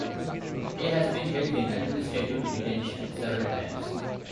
He has been held in administrative detention several times.